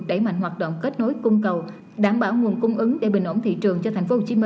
đẩy mạnh hoạt động kết nối cung cầu đảm bảo nguồn cung ứng để bình ổn thị trường cho tp hcm